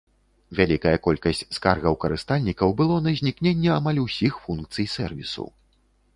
Вялікая колькасць скаргаў карыстальнікаў было на знікненне амаль усіх функцый сэрвісу.